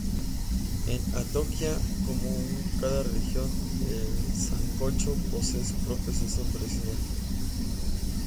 En Antioquia, como en cada región, el sancocho posee su propia sazón tradicional.